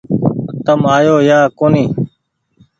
تم آيو يا ڪونيٚ